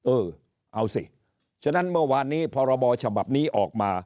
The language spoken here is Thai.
เออเอาสิฉะนั้นเมื่อวานนี้พรบฉบับนี้ออกมา